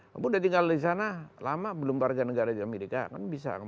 kamu udah tinggal di sana lama belum warga negara di amerika kan bisa